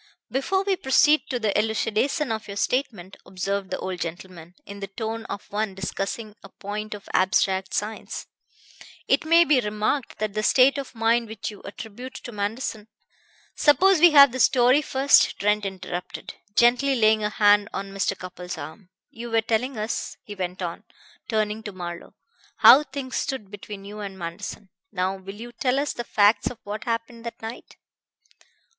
"Before we proceed to the elucidation of your statement," observed the old gentleman, in the tone of one discussing a point of abstract science, "it may be remarked that the state of mind which you attribute to Manderson " "Suppose we have the story first," Trent interrupted, gently laying a hand on Mr. Cupples' arm. "You were telling us," he went on, turning to Marlowe, "how things stood between you and Manderson. Now will you tell us the facts of what happened that night?"